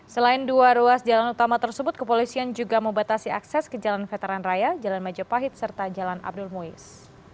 selain dua ruas jalan utama tersebut kepolisian juga membatasi akses ke jalan veteran raya jalan majapahit serta jalan abdul muiz